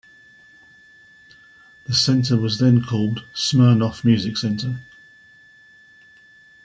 The center was then called Smirnoff Music Centre.